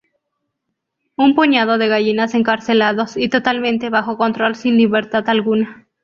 Un puñado de gallinas, encarcelados y totalmente bajo control sin libertad alguna.